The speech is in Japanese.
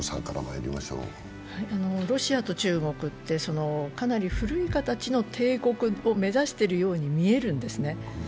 ロシアと中国ってかなり古い形の帝国を目指しているように見えるんですね。